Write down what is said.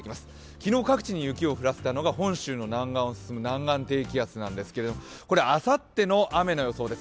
昨日各地に雪を降らせたのが本州の内陸にあった南岸低気圧なんですけれども、これはあさっての雨の予想です。